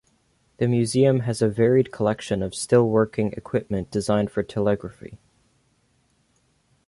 The museum has a varied collection of still-working equipment designed for telegraphy.